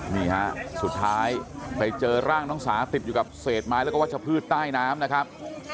นี่ฮะสุดท้ายไปเจอร่างน้องสาติดอยู่กับเศษไม้แล้วก็วัชพืชใต้น้ำนะครับ